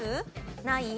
ない？